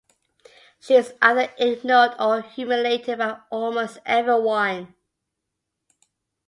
She is either ignored or humiliated by almost everyone.